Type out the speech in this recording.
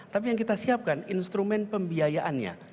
tapi yang kita siapkan instrumen pembiayaannya